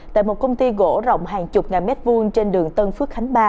tại một công ty gỗ rộng hàng chục ngàn mét vuông trên đường tân phước khánh ba